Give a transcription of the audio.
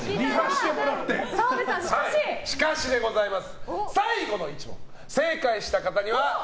しかしでございます！